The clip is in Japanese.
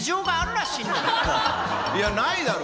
いやないだろ！